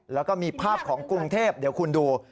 แล้วก็มีภาพของกรุงเทพเดี๋ยวคุณดู